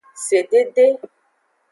Sedede.